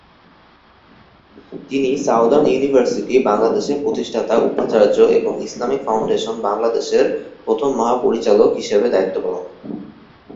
তিনি Southern University বাংলাদেশের প্রতিষ্ঠাতা উপাচার্য এবং ইসলামিক ফাউন্ডেশন বাংলাদেশের প্রথম মহাপরিচালক হিসেবে দায়িত্ব পালন করেন।